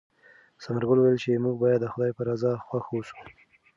ثمرګل وویل چې موږ باید د خدای په رضا خوښ اوسو.